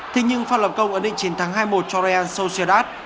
thế nhưng phát lập công ấn định chiến thắng hai mươi một cho real sociedad